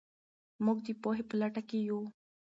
موږ د پوهې په لټه کې یو.